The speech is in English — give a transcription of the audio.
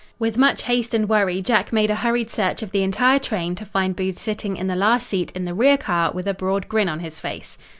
With much haste and worry Jack made a hurried search of the entire train to find Booth sitting in the last seat in the rear car with a broad grin on his face.